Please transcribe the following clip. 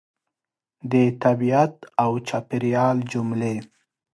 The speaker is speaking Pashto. د طبیعت او چاپېریال جملې